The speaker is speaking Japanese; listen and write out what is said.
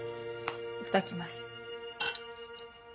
いただきます。